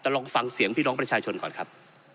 แต่ลองฟังเสียงพี่น้องประชาชนก่อนครับ